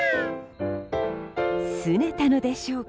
すねたのでしょうか？